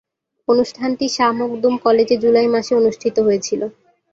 অনুষ্ঠানটি শাহ মখদুম কলেজে জুলাই মাসে অনুষ্ঠিত হয়েছিলো।